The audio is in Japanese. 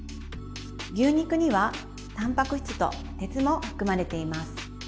牛肉にはたんぱく質と鉄も含まれています。